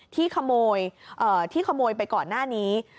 ที่ขโมยที่ขโมยไปก่อนหน้านี้